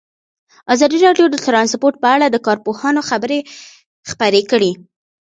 ازادي راډیو د ترانسپورټ په اړه د کارپوهانو خبرې خپرې کړي.